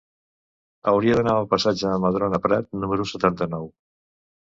Hauria d'anar al passatge de Madrona Prat número setanta-nou.